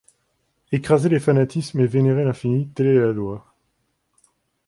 Écraser les fanatismes et vénérer l’infini, telle est la loi.